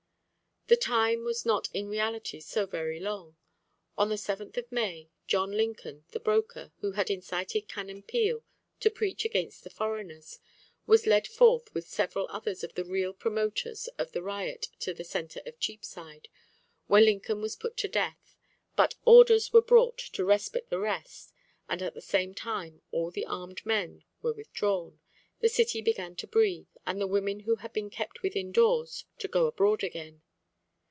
The time was not in reality so very long. On the 7th of May, John Lincoln, the broker, who had incited Canon Peale to preach against the foreigners, was led forth with several others of the real promoters of the riot to the centre of Cheapside, where Lincoln was put death, but orders were brought to respite the rest; and, at the same time, all the armed men were withdrawn, the City began to breathe, and the women who had been kept within doors to go abroad again.